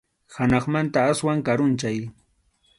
Hanaqmanta aswan karunchay.